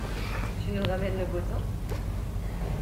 Tu nous ramènes le beau temps?